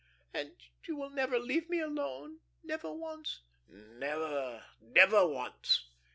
"And you will never leave me alone never once?" "Never, never once."